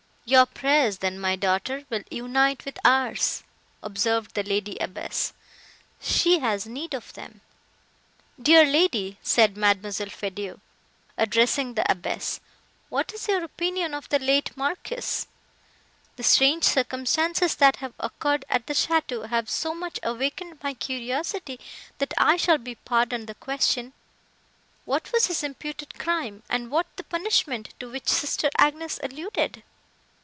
"Your prayers then, my daughter, will unite with ours," observed the lady abbess, "she has need of them." "Dear lady," said Mademoiselle Feydeau, addressing the abbess, "what is your opinion of the late Marquis? The strange circumstances, that have occurred at the château, have so much awakened my curiosity, that I shall be pardoned the question. What was his imputed crime, and what the punishment, to which sister Agnes alluded?"